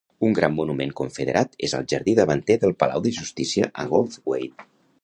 Un gran monument confederat és al jardí davanter del palau de justícia a Goldthwaite.